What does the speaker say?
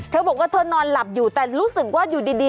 เธอบอกว่าเธอนอนหลับอยู่แต่รู้สึกว่าอยู่ดี